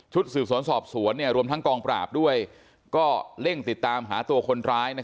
สืบสวนสอบสวนรวมทั้งกองปราบด้วยก็เร่งติดตามหาตัวคนร้าย